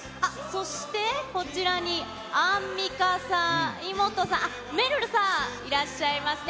そして、こちらに、アンミカさん、イモトさん、あっ、めるるさん、いらっしゃいますね。